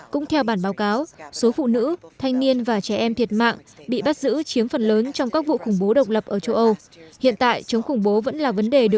cũng theo bản báo cáo số phụ nữ thanh niên và trẻ em thiệt mạng bị bắt giữ chiếm phần lớn trong các vụ khủng bố